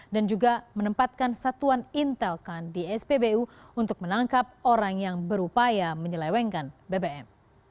dan juga menempatkan satuan intelkan di spbu untuk menangkap orang yang berupaya menyelewengkan bbm